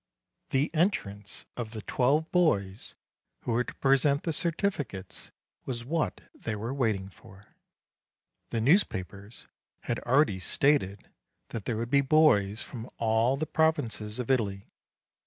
The entrance of the twelve boys who were to present the certificates was what they were waiting for. The newspapers had already stated that there would be boys from all the provinces of Italy.